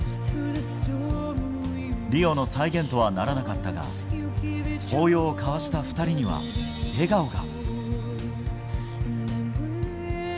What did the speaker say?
リオの再現とはならなかったが抱擁を交わした２人には笑顔が。